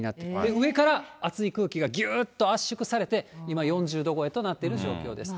上から暑い空気がぎゅーっと圧縮されて、今、４０度超えとなってる状況です。